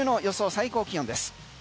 最高気温です。